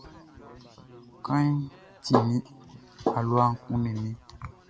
Kanʼni ti, alua kunnin mi.